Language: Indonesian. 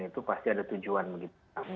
itu pasti ada tujuan begitu